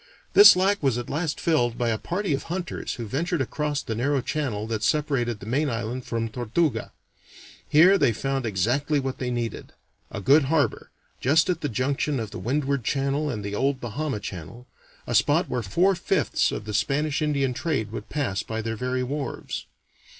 This lack was at last filled by a party of hunters who ventured across the narrow channel that separated the main island from Tortuga. Here they found exactly what they needed a good harbor, just at the junction of the Windward Channel with the old Bahama Channel a spot where four fifths of the Spanish Indian trade would pass by their very wharves.